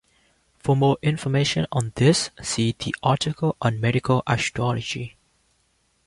For more information on this, see the article on medical astrology.